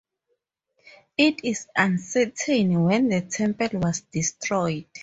It is uncertain when the temple was destroyed.